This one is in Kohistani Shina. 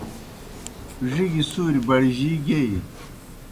ڙِگیْ سُوریْ بڑجِی گیئی۔